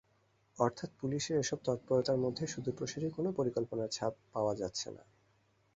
অর্থাৎ পুলিশের এসব তৎপরতার মধ্যে সুদূরপ্রসারী কোনো পরিকল্পনার ছাপ পাওয়া যাচ্ছে না।